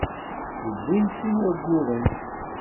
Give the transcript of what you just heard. Yewwin sin wagguren.